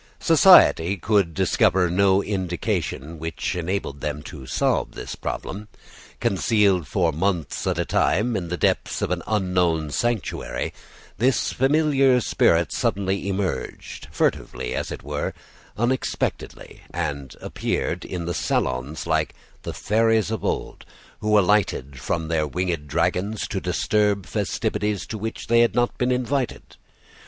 Society could discover no indication which enabled them to solve this problem. Concealed for months at a time in the depths of an unknown sanctuary, this familiar spirit suddenly emerged, furtively as it were, unexpectedly, and appeared in the salons like the fairies of old, who alighted from their winged dragons to disturb festivities to which they had not been invited.